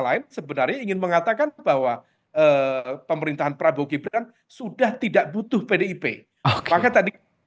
lain sebenarnya ingin mengatakan bahwa pemerintahan prabowo gibran sudah tidak butuh pdip maka tadi